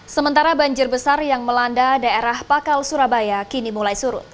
sementara banjir besar yang melanda daerah pakal surabaya kini mulai surut